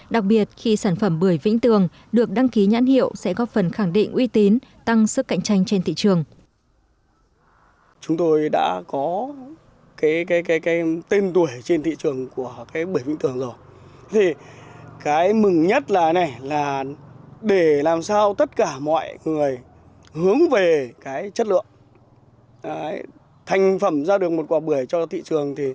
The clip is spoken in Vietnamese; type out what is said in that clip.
đặc biệt khi sản phẩm bưởi vĩnh tường được đăng ký nhãn hiệu sẽ góp phần khẳng định uy tín tăng sức cạnh tranh trên thị trường